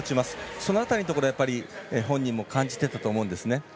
その辺りのところは本人も感じていたと思うんですね。